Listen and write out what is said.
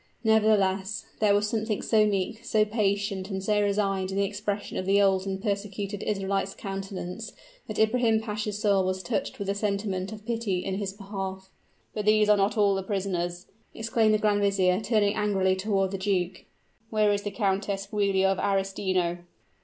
Nevertheless, there was something so meek so patient and so resigned in the expression of the old and persecuted Israelite's countenance, that Ibrahim Pasha's soul was touched with a sentiment of pity in his behalf. "But these are not all the prisoners," exclaimed the grand vizier, turning angrily toward the duke; "where is the Countess Giulia of Arestino?"